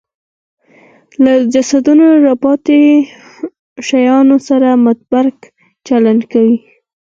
له جسدونو راپاتې شیانو سره متبرک چلند کوي